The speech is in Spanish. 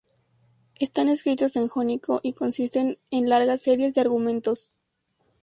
Están escritos en jónico y consisten en largas series de argumentos.